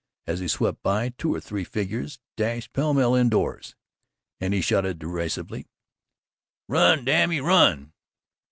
As he swept by, two or three figures dashed pell mell indoors, and he shouted derisively: "Run, damn ye, run!"